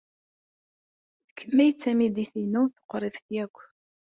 D kemm ay d tamidit-inu tuqribt akk.